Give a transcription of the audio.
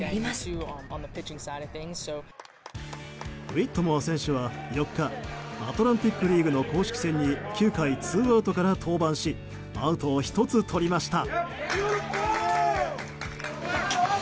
ウィットモア選手は４日アトランティックリーグの公式戦に９回ツーアウトから登板しアウトを１つとりました。